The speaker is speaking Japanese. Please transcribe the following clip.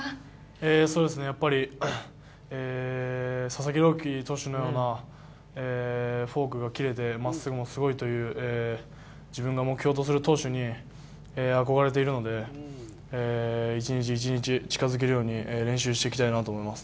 佐々木朗希投手のようなフォークがキレて、まっすぐもすごいという、自分が目標とする投手に、憧れているので、一日一日近づけるように練習していきたいと思います。